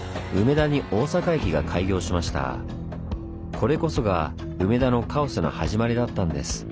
これこそが梅田のカオスの始まりだったんです。